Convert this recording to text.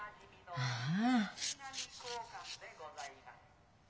ああ。